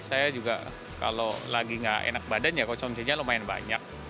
saya juga kalau lagi nggak enak badan ya konsumsinya lumayan banyak